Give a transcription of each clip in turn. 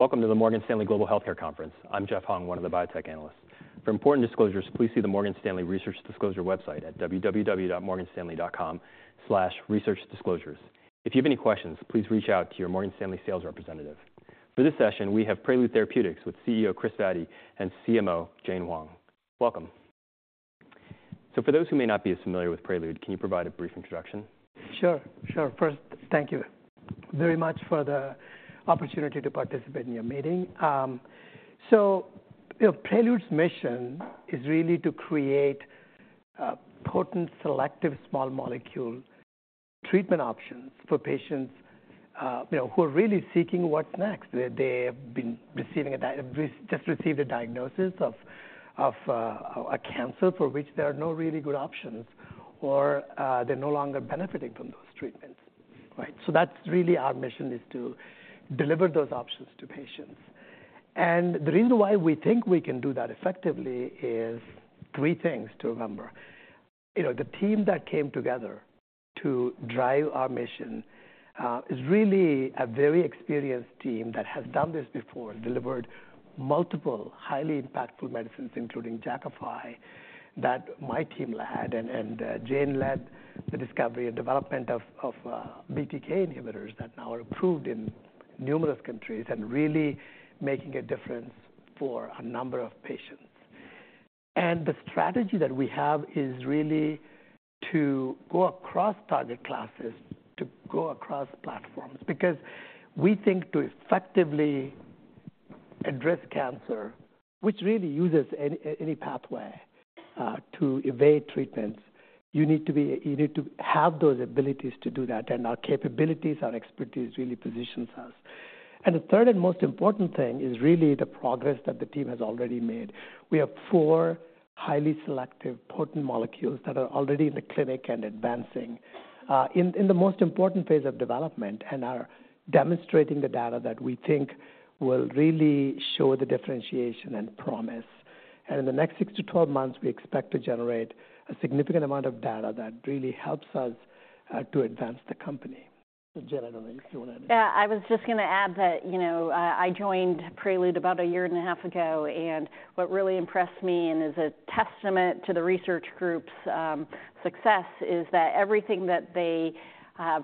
Welcome to the Morgan Stanley Global Healthcare Conference. I'm Jeff Hung, one of the biotech analysts. For important disclosures, please see the Morgan Stanley Research Disclosure website at www.morganstanley.com/researchdisclosures. If you have any questions, please reach out to your Morgan Stanley sales representative. For this session, we have Prelude Therapeutics with CEO, Kris Vaddi, and CMO, Jane Huang. Welcome. So for those who may not be as familiar with Prelude, can you provide a brief introduction? Sure, sure. First, thank you very much for the opportunity to participate in your meeting. So you know, Prelude's mission is really to create, potent, selective, small molecule treatment options for patients, you know, who are really seeking what's next. They have just received a diagnosis of a cancer for which there are no really good options or, they're no longer benefiting from those treatments, right? So that's really our mission, is to deliver those options to patients. And the reason why we think we can do that effectively is three things to remember. You know, the team that came together to drive our mission is really a very experienced team that has done this before, delivered multiple highly impactful medicines, including Jakafi, that my team led, and Jane led the discovery and development of BTK inhibitors that now are approved in numerous countries and really making a difference for a number of patients. The strategy that we have is really to go across target classes, to go across platforms, because we think to effectively address cancer, which really uses any pathway to evade treatments, you need to have those abilities to do that, and our capabilities, our expertise, really positions us. The third and most important thing is really the progress that the team has already made. We have four highly selective, potent molecules that are already in the clinic and advancing in the most important phase of development and are demonstrating the data that we think will really show the differentiation and promise. And in the next six to 12 months, we expect to generate a significant amount of data that really helps us to advance the company. So, Jane, I don't know if you want to add. Yeah, I was just gonna add that, you know, I joined Prelude about a year and a half ago, and what really impressed me, and is a testament to the research group's success, is that everything that they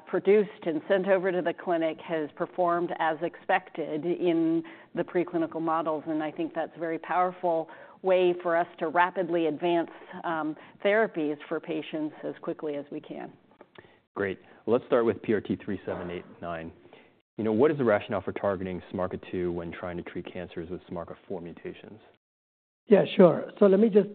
produced and sent over to the clinic has performed as expected in the preclinical models, and I think that's a very powerful way for us to rapidly advance therapies for patients as quickly as we can. Great. Let's start with PRT3789. You know, what is the rationale for targeting SMARCA2 when trying to treat cancers with SMARCA4 mutations? Yeah, sure. So let me just,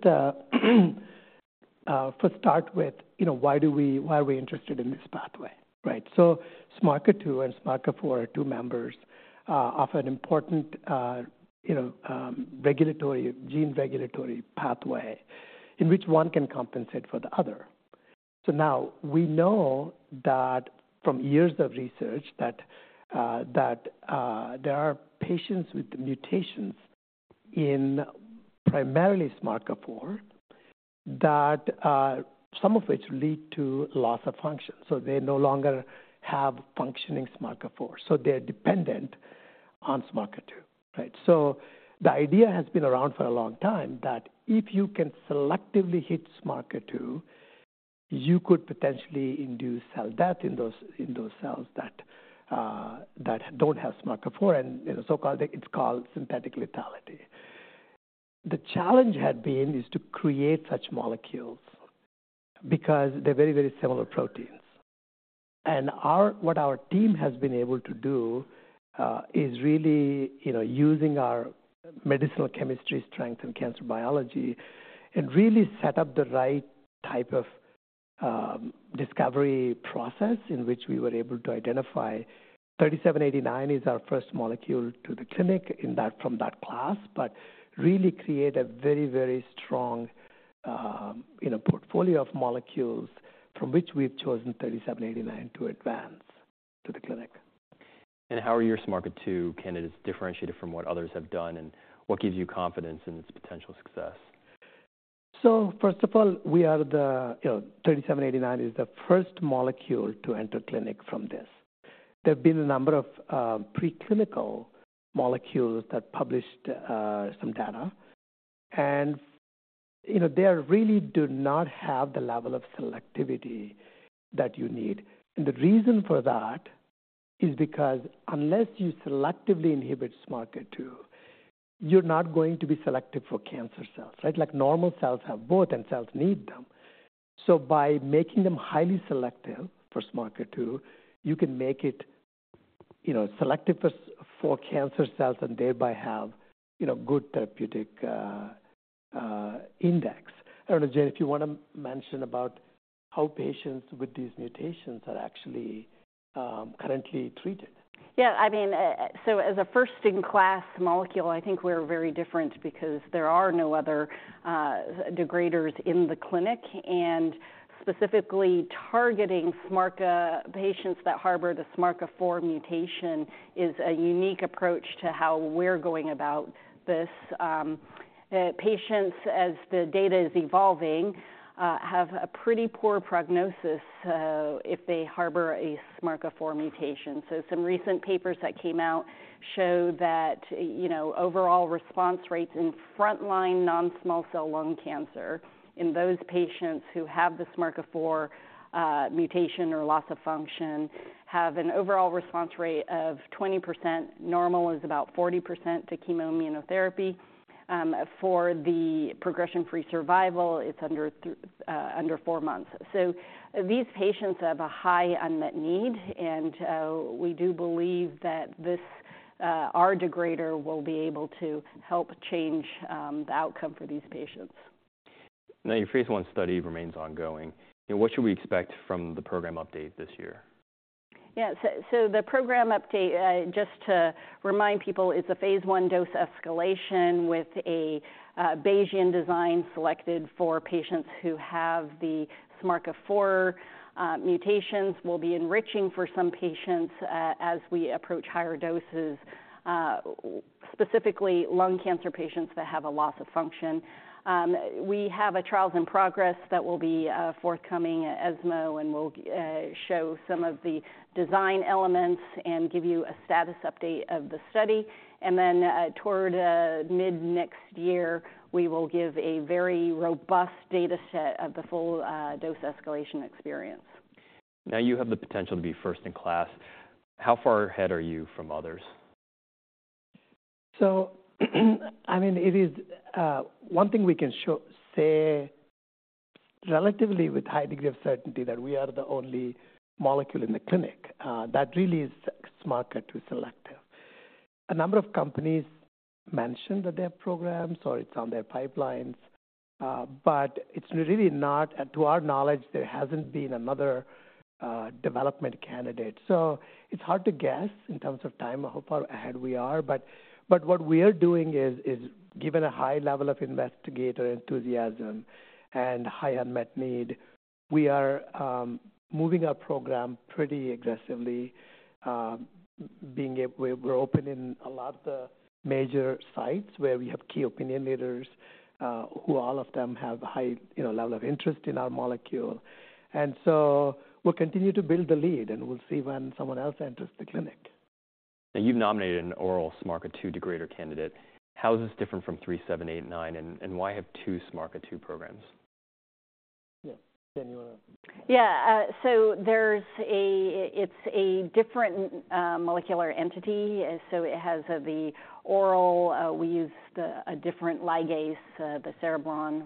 first start with, you know, why do we, why are we interested in this pathway, right? So SMARCA2 and SMARCA4 are two members, of an important, you know, regulatory, gene regulatory pathway in which one can compensate for the other. So now we know that from years of research that, there are patients with mutations in primarily SMARCA4, that, some of which lead to loss of function, so they no longer have functioning SMARCA4, so they're dependent on SMARCA2, right? So the idea has been around for a long time that if you can selectively hit SMARCA2, you could potentially induce cell death in those, in those cells that, that don't have SMARCA4 and is so-called, it's called synthetic lethality. The challenge had been, is to create such molecules because they're very, very similar proteins. And what our team has been able to do is really, you know, using our medicinal chemistry strength and cancer biology, and really set up the right type of discovery process in which we were able to identify. PRT3789 is our first molecule to the clinic in that, from that class, but really create a very, very strong, you know, portfolio of molecules from which we've chosen PRT3789 to advance to the clinic. How are your SMARCA2 candidates differentiated from what others have done, and what gives you confidence in its potential success? So first of all, we are the, you know, 3789 is the first molecule to enter clinic from this. There have been a number of preclinical molecules that published some data, and, you know, they really do not have the level of selectivity that you need. And the reason for that is because unless you selectively inhibit SMARCA2, you're not going to be selective for cancer cells, right? Like, normal cells have both, and cells need them. So by making them highly selective for SMARCA2, you can make it, you know, selective for, for cancer cells and thereby have, you know, good therapeutic index. I don't know, Jane, if you want to mention about how patients with these mutations are actually currently treated. Yeah, I mean, so as a first-in-class molecule, I think we're very different because there are no other, degraders in the clinic, and specifically targeting SMARCA2 patients that harbor the SMARCA4 mutation is a unique approach to how we're going about this, patients, as the data is evolving, have a pretty poor prognosis, if they harbor a SMARCA4 mutation. So some recent papers that came out show that, you know, overall response rates in frontline non-small cell lung cancer in those patients who have the SMARCA4, mutation or loss of function, have an overall response rate of 20%. Normal is about 40% to chemoimmunotherapy. For the progression-free survival, it's under three, under four months. So these patients have a high unmet need, and we do believe that this our degrader will be able to help change the outcome for these patients. Now, your phase one study remains ongoing. What should we expect from the program update this year? Yeah. So the program update, just to remind people, it's a phase 1 dose escalation with a Bayesian design selected for patients who have the SMARCA4 mutations, will be enriching for some patients as we approach higher doses, specifically lung cancer patients that have a loss of function. We have a Trials in Progress that will be forthcoming at ESMO, and we'll show some of the design elements and give you a status update of the study. And then, toward mid-next year, we will give a very robust data set of the full dose escalation experience. Now, you have the potential to be first in class. How far ahead are you from others? So, I mean, it is one thing we can show, say, relatively with high degree of certainty, that we are the only molecule in the clinic that really is SMARCA2 selective. A number of companies mentioned that their programs or it's on their pipelines, but it's really not, to our knowledge, there hasn't been another development candidate. So it's hard to guess in terms of time, how far ahead we are. But what we are doing is given a high level of investigator enthusiasm and high unmet need, we are moving our program pretty aggressively, being able... We're opening a lot of the major sites where we have key opinion leaders who all of them have a high, you know, level of interest in our molecule. We'll continue to build the lead, and we'll see when someone else enters the clinic. Now, you've nominated an oral SMARCA2 degrader candidate. How is this different from 3789, and why have two SMARCA2 programs? Yeah. Jane, you want to- Yeah, so there's a, it's a different molecular entity, and so it has the oral, we use a different ligase, the cereblon,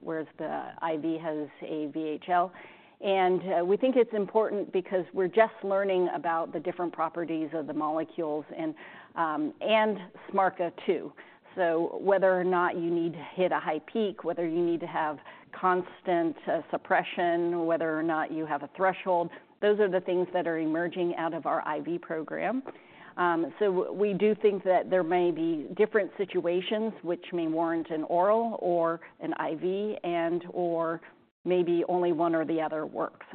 whereas the IV has a VHL. And, we think it's important because we're just learning about the different properties of the molecules and, and SMARCA2. So whether or not you need to hit a high peak, whether you need to have constant suppression, or whether or not you have a threshold, those are the things that are emerging out of our IV program. So we do think that there may be different situations which may warrant an oral or an IV and/or maybe only one or the other works.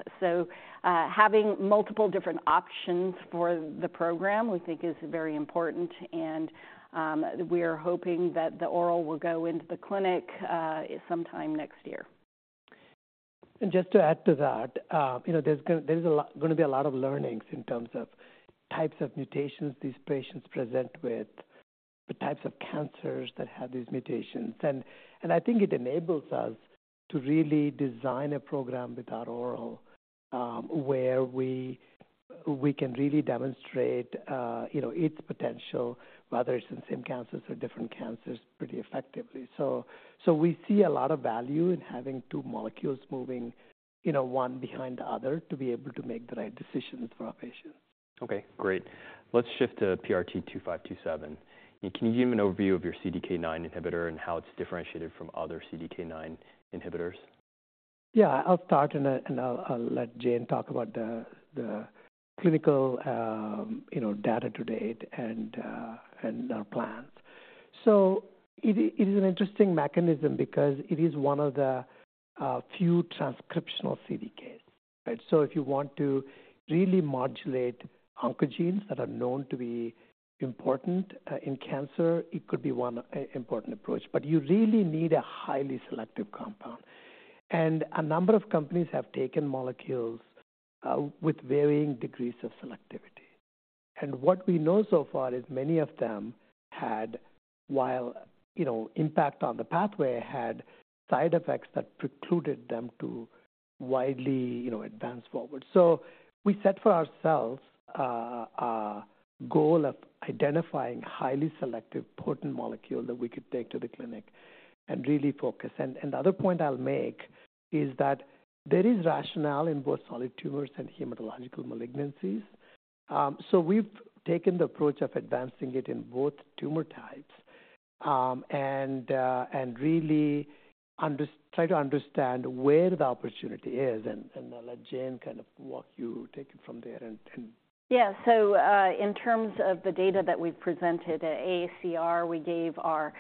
Having multiple different options for the program, we think is very important, and we are hoping that the oral will go into the clinic sometime next year. And just to add to that, you know, there's gonna be a lot of learnings in terms of types of mutations these patients present with, the types of cancers that have these mutations. And I think it enables us to really design a program with our oral, where we can really demonstrate, you know, its potential, whether it's the same cancers or different cancers, pretty effectively. So we see a lot of value in having two molecules moving, you know, one behind the other, to be able to make the right decisions for our patients. Okay, great. Let's shift to PRT2527. Can you give me an overview of your CDK9 inhibitor and how it's differentiated from other CDK9 inhibitors? Yeah, I'll start, and I'll let Jane talk about the clinical, you know, data to date and our plans. So it is an interesting mechanism because it is one of the few transcriptional CDKs, right? So if you want to really modulate oncogenes that are known to be important in cancer, it could be one important approach, but you really need a highly selective compound. And a number of companies have taken molecules with varying degrees of selectivity. And what we know so far is many of them had, while, you know, impact on the pathway, had side effects that precluded them to widely, you know, advance forward. So we set for ourselves a goal of identifying highly selective, potent molecule that we could take to the clinic and really focus. The other point I'll make is that there is rationale in both solid tumors and hematologic malignancies. We've taken the approach of advancing it in both tumor types and really try to understand where the opportunity is, and I'll let Jane kind of walk you, take it from there and- Yeah. So, in terms of the data that we've presented at AACR, we gave our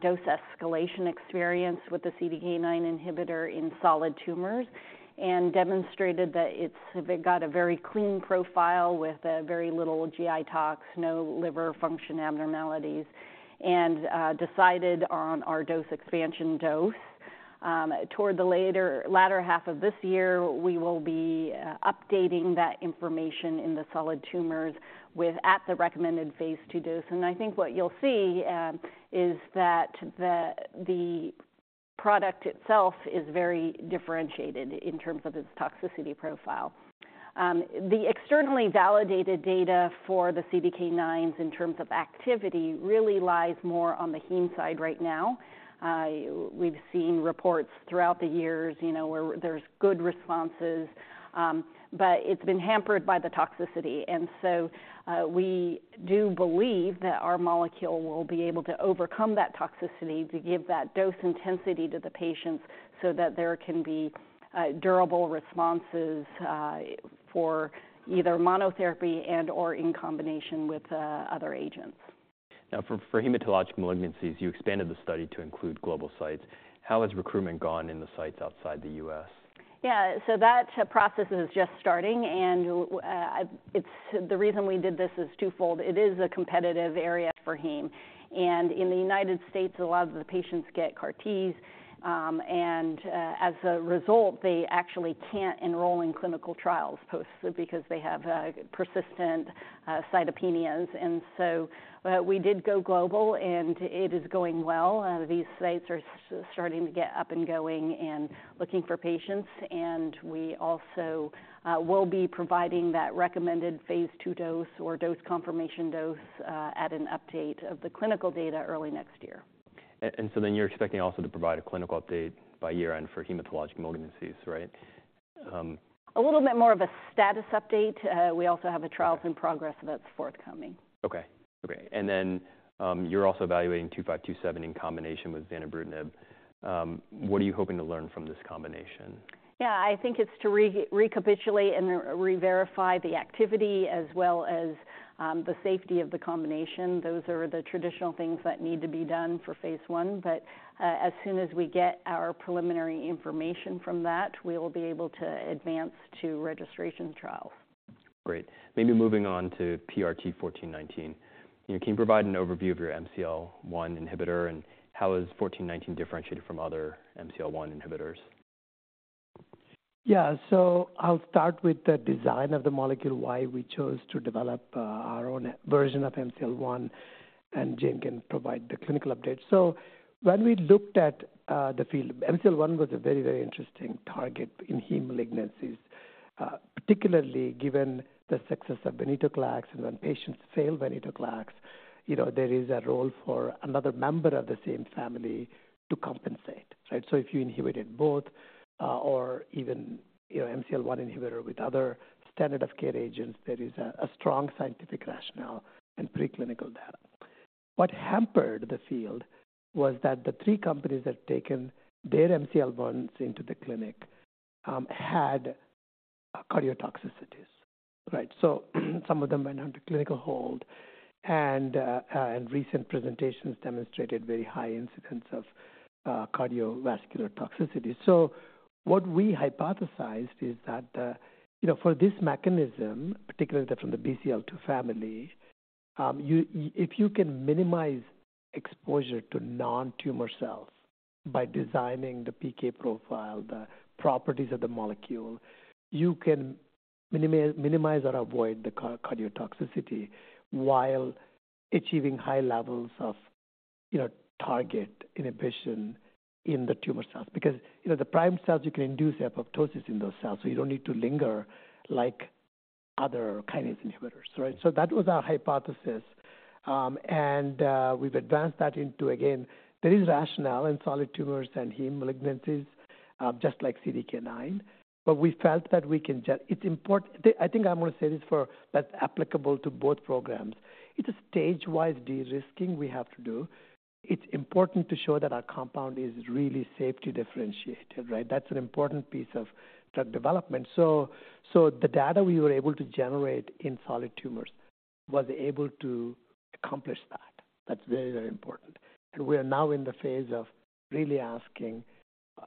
dose escalation experience with the CDK9 inhibitor in solid tumors and demonstrated that it's got a very clean profile with very little GI tox, no liver function abnormalities, and decided on our dose expansion dose. Toward the latter half of this year, we will be updating that information in the solid tumors with at the recommended Phase II dose. And I think what you'll see is that the product itself is very differentiated in terms of its toxicity profile. The externally validated data for the CDK9s in terms of activity really lies more on the heme side right now. We've seen reports throughout the years, you know, where there's good responses, but it's been hampered by the toxicity. And so, we do believe that our molecule will be able to overcome that toxicity, to give that dose intensity to the patients so that there can be durable responses for either monotherapy and/or in combination with other agents. Now, for hematologic malignancies, you expanded the study to include global sites. How has recruitment gone in the sites outside the U.S.? Yeah, so that process is just starting, and it's the reason we did this is twofold. It is a competitive area for heme, and in the United States, a lot of the patients get CAR-Ts, and as a result, they actually can't enroll in clinical trials because they have persistent cytopenias. So, we did go global, and it is going well. These sites are starting to get up and going and looking for patients, and we also will be providing that recommended Phase II dose or dose confirmation dose at an update of the clinical data early next year. And so then you're expecting also to provide a clinical update by year-end for hematologic malignancies, right? A little bit more of a status update. We also have a trials in progress that's forthcoming. Okay. Okay, and then, you're also evaluating 2527 in combination with zanubrutinib. What are you hoping to learn from this combination? Yeah, I think it's to recapitulate and re-verify the activity as well as, the safety of the combination. Those are the traditional things that need to be done for phase I, but, as soon as we get our preliminary information from that, we will be able to advance to registration trials. Great. Maybe moving on to PRT1419. Can you provide an overview of your MCL-1 inhibitor, and how is 1419 differentiated from other MCL-1 inhibitors? Yeah. So I'll start with the design of the molecule, why we chose to develop our own version of MCL-1, and Jane can provide the clinical update. So when we looked at the field, MCL-1 was a very, very interesting target in heme malignancies, particularly given the success of venetoclax, and when patients fail venetoclax, you know, there is a role for another member of the same family to compensate, right? So if you inhibited both or even, you know, MCL-1 inhibitor with other standard of care agents, there is a strong scientific rationale and preclinical data. What hampered the field was that the three companies that taken their MCL-1s into the clinic had cardiotoxicities, right? So some of them went under clinical hold, and recent presentations demonstrated very high incidence of cardiovascular toxicity. So what we hypothesized is that, you know, for this mechanism, particularly from the BCL-2 family, if you can minimize exposure to non-tumor cells by designing the PK profile, the properties of the molecule, you can minimize or avoid the cardiotoxicity while achieving high levels of, you know, target inhibition in the tumor cells. Because, you know, the tumor cells, you can induce apoptosis in those cells, so you don't need to linger like other kinase inhibitors, right? So that was our hypothesis, and we've advanced that into... Again, there is rationale in solid tumors and heme malignancies, just like CDK9, but we felt that we can just—it's important. I think I'm going to say this, for that's applicable to both programs. It's a stage-wise de-risking we have to do. It's important to show that our compound is really safely differentiated, right? That's an important piece of drug development. So, so the data we were able to generate in solid tumors was able to accomplish that. That's very, very important. And we are now in the phase of really asking,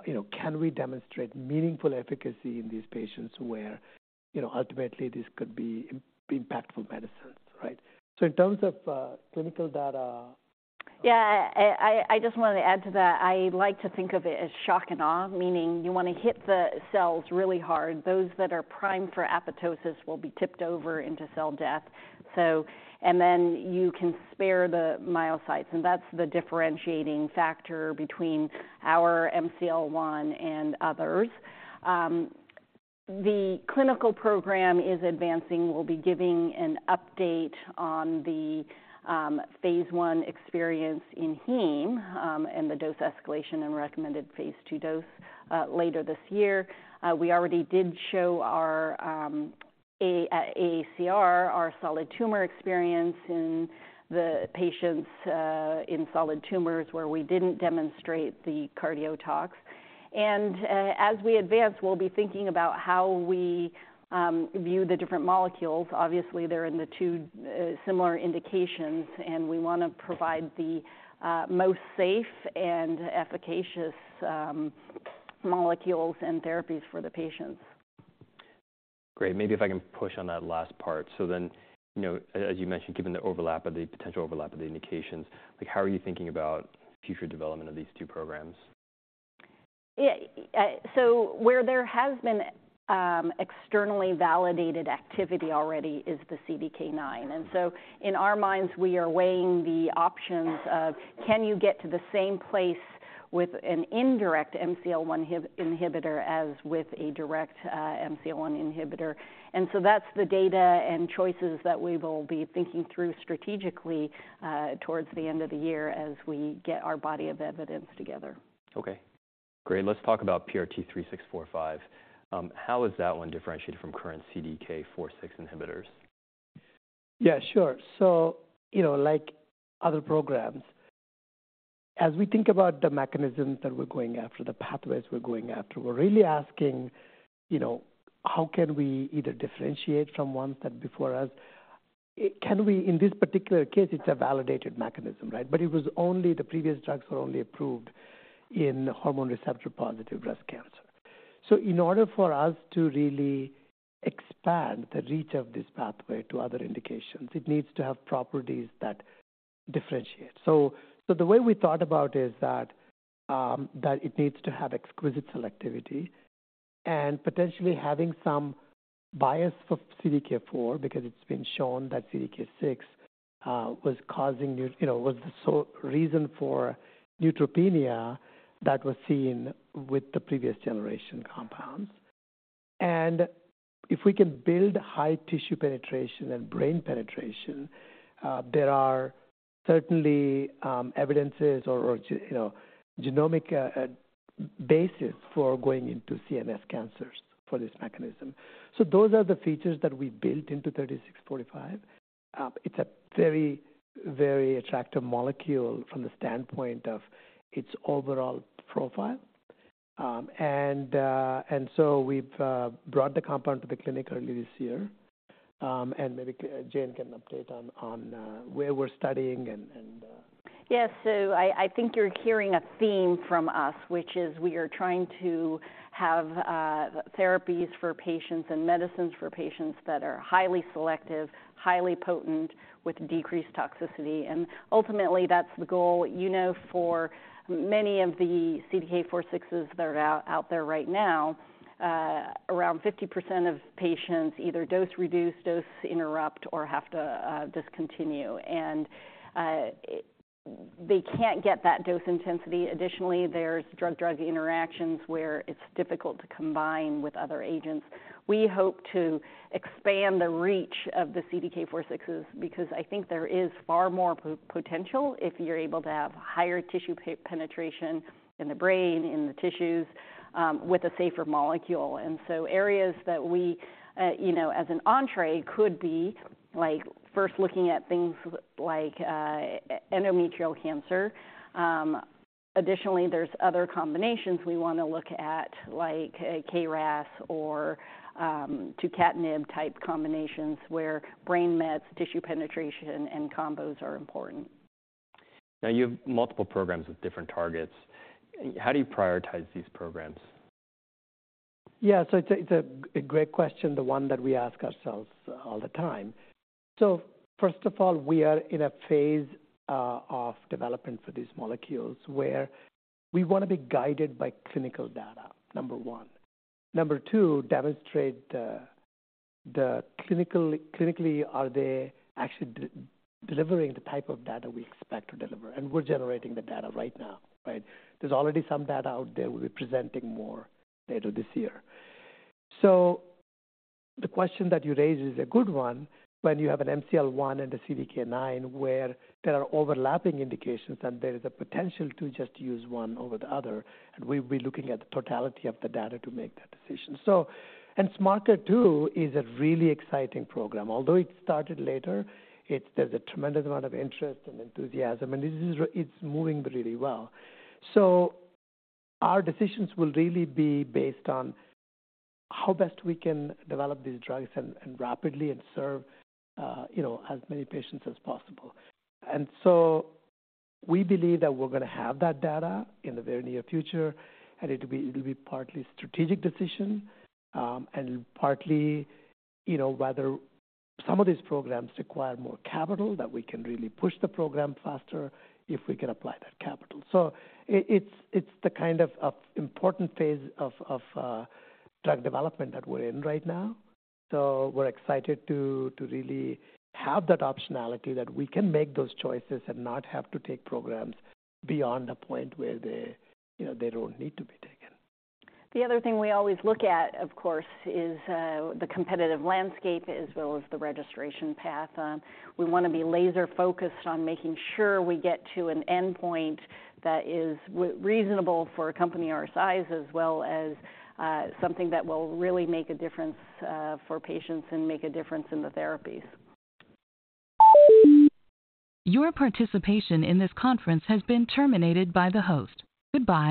you know, can we demonstrate meaningful efficacy in these patients where, you know, ultimately, this could be, be impactful medicines, right? So in terms of, clinical data- Yeah, I just wanted to add to that. I like to think of it as shock and awe, meaning you want to hit the cells really hard. Those that are primed for apoptosis will be tipped over into cell death. And then you can spare the myocytes, and that's the differentiating factor between our MCL-1 and others. The clinical program is advancing. We'll be giving an update on the phase I experience in heme and the dose escalation and recommended phase II dose later this year. We already did show our AACR, our solid tumor experience in the patients in solid tumors, where we didn't demonstrate the cardiotox. As we advance, we'll be thinking about how we view the different molecules. Obviously, they're in the two similar indications, and we want to provide the most safe and efficacious molecules and therapies for the patients.... Great. Maybe if I can push on that last part. So then, you know, as you mentioned, given the overlap of the potential overlap of the indications, like, how are you thinking about future development of these two programs? Yeah, so where there has been externally validated activity already is the CDK9, and so in our minds, we are weighing the options of can you get to the same place with an indirect MCL-1 inhibitor as with a direct MCL-1 inhibitor? And so that's the data and choices that we will be thinking through strategically towards the end of the year as we get our body of evidence together. Okay, great. Let's talk about PRT3645. How is that one differentiated from current CDK4/6 inhibitors? Yeah, sure. So, you know, like other programs, as we think about the mechanisms that we're going after, the pathways we're going after, we're really asking, you know, how can we either differentiate from ones that before us? Can we... In this particular case, it's a validated mechanism, right? But it was only the previous drugs were only approved in hormone receptor-positive breast cancer. So in order for us to really expand the reach of this pathway to other indications, it needs to have properties that differentiate. So, so the way we thought about it is that, that it needs to have exquisite selectivity and potentially having some bias for CDK4 because it's been shown that CDK6, was causing you know, was the so reason for neutropenia that was seen with the previous generation compounds. And if we can build high tissue penetration and brain penetration, there are certainly evidences or you know genomic basis for going into CNS cancers for this mechanism. So those are the features that we built into PRT3645. It's a very, very attractive molecule from the standpoint of its overall profile. And so we've brought the compound to the clinic earlier this year. And maybe Jane can update on where we're studying and. Yes. So I think you're hearing a theme from us, which is we are trying to have therapies for patients and medicines for patients that are highly selective, highly potent, with decreased toxicity, and ultimately, that's the goal. You know, for many of the CDK4/6s that are out there right now, around 50% of patients either dose reduce, dose interrupt, or have to discontinue, and they can't get that dose intensity. Additionally, there's drug-drug interactions where it's difficult to combine with other agents. We hope to expand the reach of the CDK4/6s because I think there is far more potential if you're able to have higher tissue penetration in the brain, in the tissues, with a safer molecule. So areas that we, you know, as an entry could be, like, first looking at things like endometrial cancer. Additionally, there's other combinations we wanna look at, like a KRAS or tucatinib type combinations, where brain mets, tissue penetration, and combos are important. Now, you have multiple programs with different targets. How do you prioritize these programs? Yeah, so it's a great question, the one that we ask ourselves all the time. So first of all, we are in a phase of development for these molecules where we wanna be guided by clinical data, number one. Number two, demonstrate clinically, are they actually delivering the type of data we expect to deliver? And we're generating the data right now, right? There's already some data out there. We'll be presenting more later this year. So the question that you raised is a good one. When you have an MCL-1 and a CDK9, where there are overlapping indications and there is a potential to just use one over the other, and we'll be looking at the totality of the data to make that decision. So... And SMARCA2 is a really exciting program. Although it started later, it's, there's a tremendous amount of interest and enthusiasm, and this is moving really well. So our decisions will really be based on how best we can develop these drugs and rapidly and serve, you know, as many patients as possible. And so we believe that we're gonna have that data in the very near future, and it'll be partly strategic decision, and partly, you know, whether some of these programs require more capital, that we can really push the program faster if we can apply that capital. So it's the kind of important phase of drug development that we're in right now. So we're excited to really have that optionality, that we can make those choices and not have to take programs beyond the point where they, you know, they don't need to be taken. The other thing we always look at, of course, is the competitive landscape, as well as the registration path. We wanna be laser focused on making sure we get to an endpoint that is reasonable for a company our size, as well as something that will really make a difference for patients and make a difference in the therapies.